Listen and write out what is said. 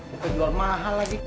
bukan jual mahal lagi